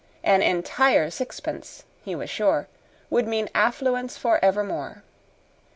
An entire sixpence, he was sure, would mean affluence for evermore.